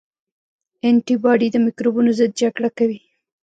انټي باډي د مکروبونو ضد جګړه کوي